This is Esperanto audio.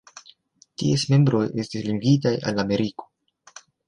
Ties membroj estas limigitaj al Ameriko.